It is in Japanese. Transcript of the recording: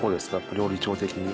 料理長的に。